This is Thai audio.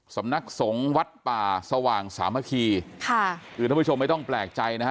สำนักสงฆ์วัดป่าสว่างสามัคคีค่ะคือท่านผู้ชมไม่ต้องแปลกใจนะฮะ